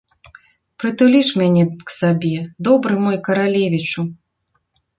Прытулі ж мяне к сабе, добры мой каралевічу!